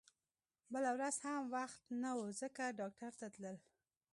بله ورځ هم وخت نه و ځکه ډاکټر ته تلل